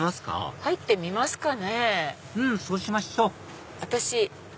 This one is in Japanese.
入ってみますね。